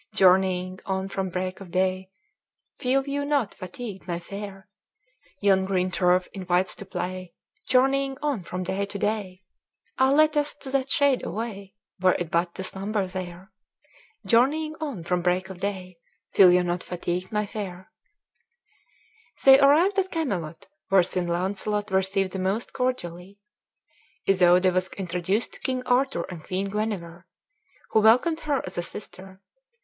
"Journeying on from break of day, Feel you not fatigued, my fair? Yon green turf invites to play; Journeying on from day to day, Ah! let us to that shade away, Were it but to slumber there! Journeying on from break of day, Feel you not fatigued, my fair?" They arrived at Camelot, where Sir Launcelot received them most cordially. Isoude was introduced to King Arthur and Queen Guenever, who welcomed her as a sister.